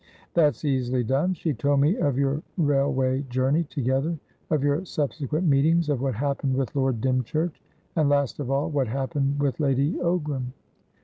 "That's easily done. She told me of your railway journey together, of your subsequent meetings, of what happened with Lord Dymchurch, and, last of all, what happened with Lady Ogram."